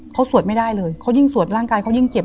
เขาสวดไม่ได้เลยเขายิ่งสวดร่างกายเขายิ่งเจ็บ